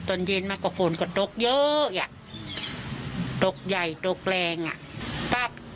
ตอนเย็นมาก็ฝนก็ตกเยอะอ่ะตกใหญ่ตกแรงอ่ะปั๊ก